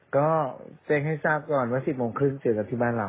ก็แจ้งให้ทราบก่อนว่า๑๐โมงครึ่งเจอกันที่บ้านเรา